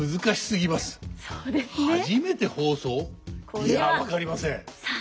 いや分かりません。